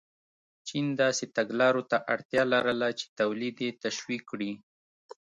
چین داسې تګلارو ته اړتیا لرله چې تولید یې تشویق کړي.